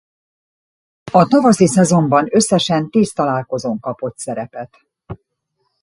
A tavaszi szezonban összesen tíz találkozón kapott szerepet.